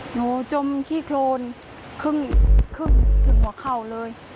จมขี้โครนครึ่งถึงหัวเข่าเลย